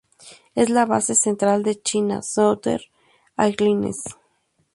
Es la base central de China Southern Airlines.